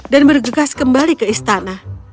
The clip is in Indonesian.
dan bergegas kembali ke istana